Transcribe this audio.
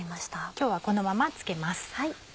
今日はこのままつけます。